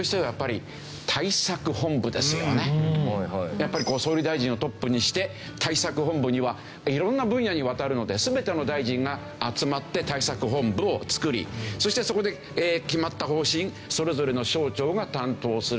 やっぱり総理大臣をトップにして対策本部には色んな分野にわたるので全ての大臣が集まって対策本部を作りそしてそこで決まった方針それぞれの省庁が担当する。